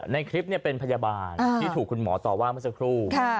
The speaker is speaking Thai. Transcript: ในคลิปเป็นพยาบาลที่ถูกคุณหมอต่อว่าเมื่อสักครู่